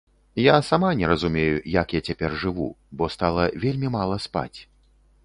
Я сама не разумею, як я цяпер жыву, бо стала вельмі мала спаць.